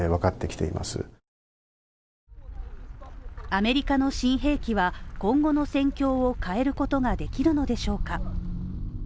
アメリカの新兵器は今後の戦況を変えることができるのでしょうか？